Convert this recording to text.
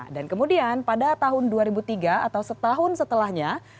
dan kemudian pada tahun dua ribu tiga atau setahun setelahnya